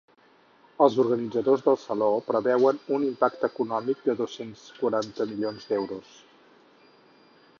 Els organitzadors del saló preveuen un impacte econòmic de dos-cents quaranta milions d’euros.